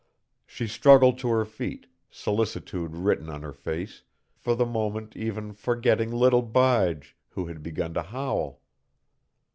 She struggled to her feet, solicitude written on her face, for the moment even forgetting little Bige, who had begun to howl.